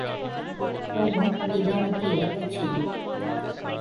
கோபம் நிதானத்தை இழக்கச் செய்யும்!